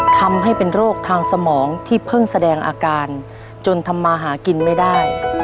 ทำให้เป็นโรคทางสมองที่เพิ่งแสดงอาการจนทำมาหากินไม่ได้